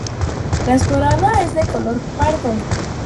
La esporada es de color pardo.